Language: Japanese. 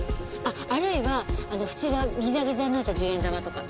あるいは縁がギザギザになった１０円玉とか？